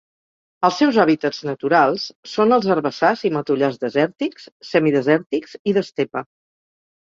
Els seus hàbitats naturals són els herbassars i matollars desèrtics, semidesèrtics i d'estepa.